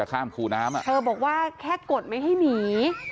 เธอบอกว่าแค่กดไม่ให้หนี